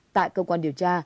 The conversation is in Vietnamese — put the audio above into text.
tại cơ quan điều tra